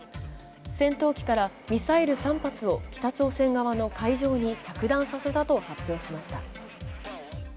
戦闘機からミサイル３発を北朝鮮側の海上に着弾させたと発表しました。